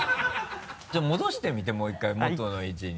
戻してみてもう１回元の位置に。